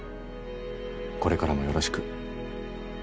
これからもよろしく。